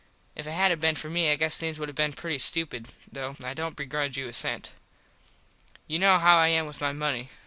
If it hadnt been for me I guess things would have been pretty stupid though I dont begrudge you a cent. You know how I am with my money.